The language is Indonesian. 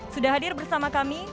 sudah hadir bersama kami